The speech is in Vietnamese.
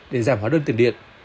để giảm hóa đơn tiền điện